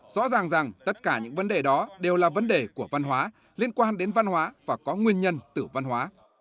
rõ ràng rằng tất cả những vấn đề đó đều là vấn đề của văn hóa liên quan đến văn hóa và có nguyên nhân tử văn hóa